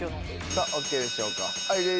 さぁＯＫでしょうか？